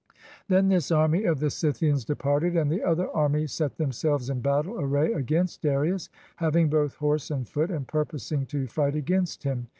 Then this army of the Scythians departed; and the other army set themselves in battle array against Da rius, having both horse and foot, and purposing to fight against him.